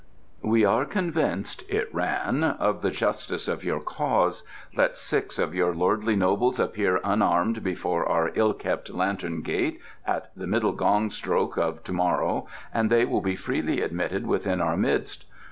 "We are convinced" (it ran) "of the justice of your cause. Let six of your lordly nobles appear unarmed before our ill kept Lantern Gate at the middle gong stroke of to morrow and they will be freely admitted within our midst.